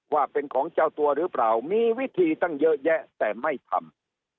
ว่าเป็นของเจ้าตัวหรือเปล่ามีวิธีตั้งเยอะแยะแต่ไม่ทำ